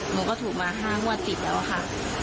หนูก็ถูกมา๕งวดติดแล้วค่ะ